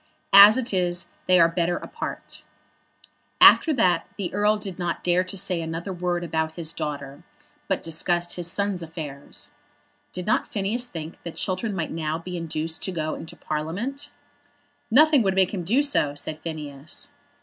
As it is they are better apart." After that the Earl did not dare to say another word about his daughter; but discussed his son's affairs. Did not Phineas think that Chiltern might now be induced to go into Parliament? "Nothing would make him do so," said Phineas.